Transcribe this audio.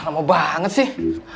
ah lama banget sih